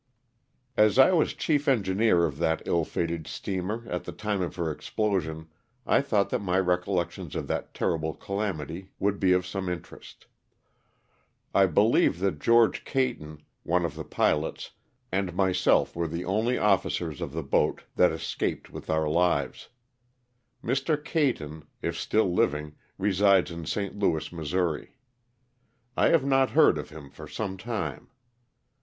A S I was chief engineer of that ill fated steamer at ^~^ the time of her explosion I thought that my recol lections of that terrible calamity would be of some interest. I believe that George Oayton, one of the pilots^ and myself were the only officers of the boat that escaped with our lives. Mr. Cayton, if still liv ing, resides in St. Louis, Missouri. I have not heard of him for some time.